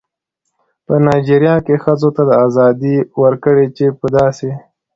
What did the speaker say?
په نایجیریا کې ښځو ته دا ازادي ورکړې چې په داسې